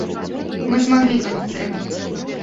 Мы змаглі гэта зрабіць.